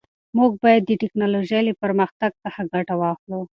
موږ باید د ټیکنالوژۍ له پرمختګ ګټه واخلو.